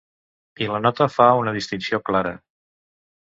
I la nota fa una distinció clara.